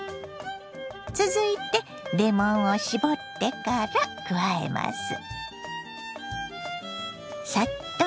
続いてレモンを搾ってから加えます。